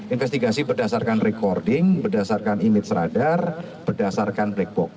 investigasi berdasarkan recording berdasarkan image radar berdasarkan black box